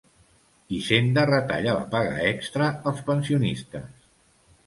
Hisenda retalla la paga extra als pensionistes.